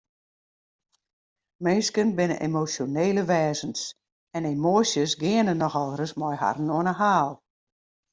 Minsken binne emosjonele wêzens en emoasjes geane nochal ris mei harren oan 'e haal.